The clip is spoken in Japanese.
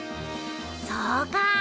そうか。